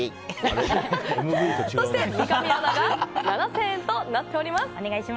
そして三上アナが７０００円となっております。